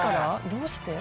どうして？